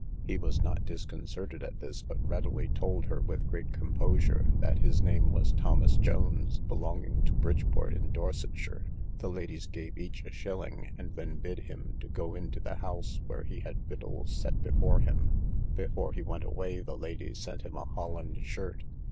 He was not disconcerted at this, but readily told her, with great composure, that his name was Thomas Jones, belonging to Bridport, in Dorsetshire. The ladies gave each a shilling, and then bid him to go into the house, where he had victuals set before him; before he went away the lady sent him a Holland shirt.